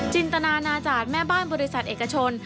จินตนานาจารย์แม่บ้านบริษัทเอกชน